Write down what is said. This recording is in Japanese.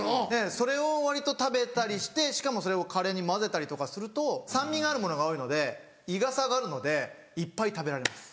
それを割と食べたりしてしかもそれをカレーに混ぜたりとかすると酸味があるものが多いので胃が下がるのでいっぱい食べられます